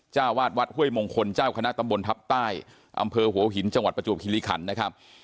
เจ้าวาดวัดห้วยมงคลเจ้าคณะตำบลทัพใต้อำเภอหัวหินจังหวัดประจวบคิริขันนะครับ